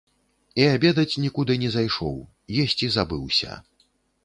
І абедаць нікуды не зайшоў, есці забыўся.